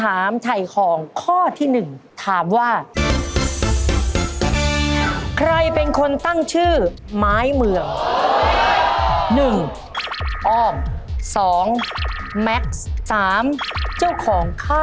น่าจะเป็นพี่แม็กซ์เนอะ